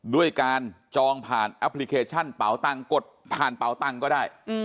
ด้วยการจองผ่านแอปพลิเคชันเป่าตังค์กดผ่านเป่าตังค์ก็ได้